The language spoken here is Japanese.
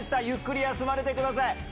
ゆっくり休まれてください。